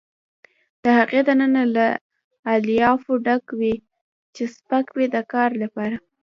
د هغې دننه له الیافو ډک وي چې سپک وي د کار لپاره.